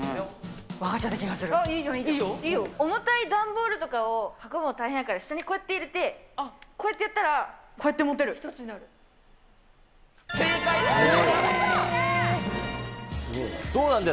重たい段ボールとかを運ぶの大変だから、下にこうやって入れて、こうやってやったら、こうや正解です。